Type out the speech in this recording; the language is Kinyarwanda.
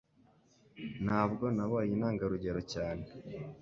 Ntabwo nabaye intangarugero cyane